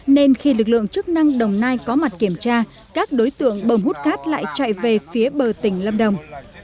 nên khi lực lượng chức năng đồng nai có mặt kiểm tra các đối tượng bầm hút cát lại chạy về phía bờ tỉnh lâm đồng